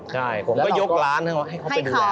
ผมก็ยกร้านให้เขาไปดูแลเลย